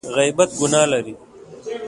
غیبت ګناه لري !